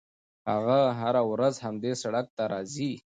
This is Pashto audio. هغه هره ورځ همدې سړک ته راځي.